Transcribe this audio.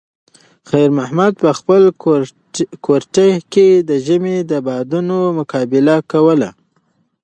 خیر محمد په خپل کورتۍ کې د ژمي د بادونو مقابله کوله.